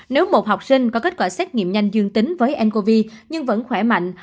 nếu một học sinh có kết quả xét nghiệm nhanh dương tính với ncov nhưng vẫn khỏe mạnh